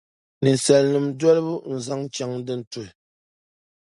Ninsalinima dolibu n-zaŋ chaŋ din tuhi.